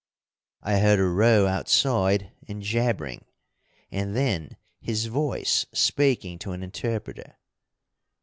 I heard a row outside and jabbering, and then his voice speaking to an interpreter.